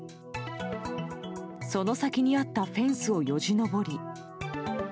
その先にあったフェンスをよじ登り。